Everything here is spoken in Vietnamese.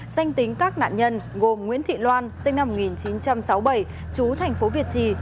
danh tính các nạn nhân gồm nguyễn thị loan sinh năm một nghìn chín trăm sáu mươi bảy chú thành phố việt trì